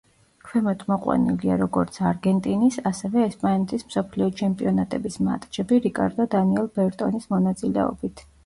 ქვემოთ მოყვანილია როგორც არგენტინის, ასევე, ესპანეთის მსოფლიო ჩემპიონატების მატჩები რიკარდო დანიელ ბერტონის მონაწილეობით.